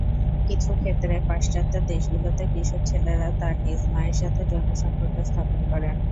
কিছু ক্ষেত্রে পাশ্চাত্যের দেশগুলোতে কিশোর ছেলেরা তার নিজ মায়ের সাথে যৌন সম্পর্ক স্থাপন করে।